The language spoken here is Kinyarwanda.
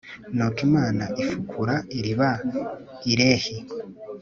nuko imana ifukura iriba i lehi